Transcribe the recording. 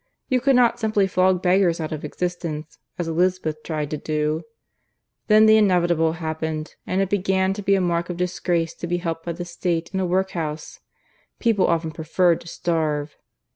You could not simply flog beggars out of existence, as Elizabeth tried to do. Then the inevitable happened, and it began to be a mark of disgrace to be helped by the State in a workhouse: people often preferred to starve.